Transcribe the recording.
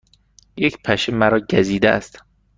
یک پشه مرا گزیده است.